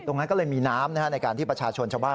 ตรงนั้นก็เลยมีน้ำในการที่ประชาชนชาวบ้าน